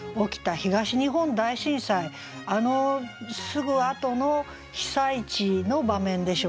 あのすぐあとの被災地の場面でしょうね。